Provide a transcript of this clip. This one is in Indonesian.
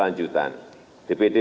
dan memiliki keuntungan yang berkelanjutan